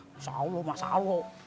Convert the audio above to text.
masya allah masya allah